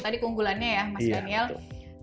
tadi keunggulannya ya mas daniel